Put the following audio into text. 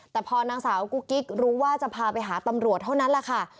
แต่พอนางสาวกุ๊กกิ๊กรู้ว่าจะพาไปหาตำรวจเท่านั้นแหละค่ะ